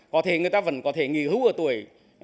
có thể người ta vẫn có thể nghỉ hưu ở tuổi năm mươi năm mươi hai